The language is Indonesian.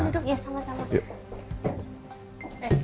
silahkan duduk ya sama sama